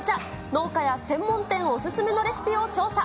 農家や専門店お勧めのレシピを調査。